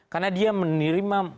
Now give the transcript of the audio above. karena dia menerima dampak lanjutan